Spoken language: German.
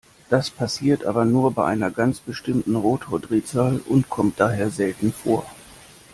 Das passiert aber nur bei einer ganz bestimmten Rotordrehzahl und kommt daher selten vor.